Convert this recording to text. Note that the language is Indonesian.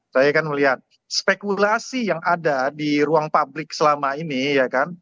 saya kan melihat spekulasi yang ada di ruang publik selama ini ya kan